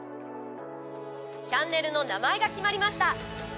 チャンネルの名前が決まりました。